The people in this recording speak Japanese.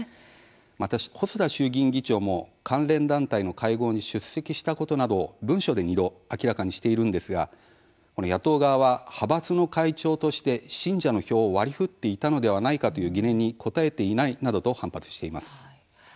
また、細田衆議院議長も関連団体の会合に出席したことなどを文書で２度明らかにしているんですが野党側は派閥の会長として信者の票を割り振っていたのではないかという疑念に答えていないなどと反発しています。